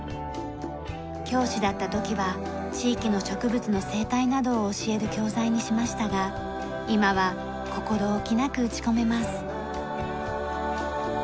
教師だった時は地域の植物の生態などを教える教材にしましたが今は心置きなく打ち込めます。